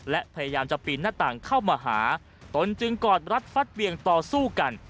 และพยายามจะปีนหน้าต่างเข้ามาหาตนจึงกอดรัดฟัดเวียงต่อสู้กัน